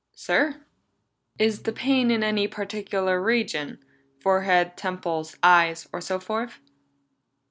"Sir?" "Is the pain in any particular region? Forehead, temples, eyes, or so forth?"